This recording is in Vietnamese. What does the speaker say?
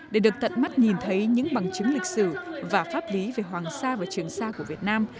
để được tận mắt nhìn thấy những bằng chứng lịch sử và pháp lý về hoàng sa và trường sa của việt nam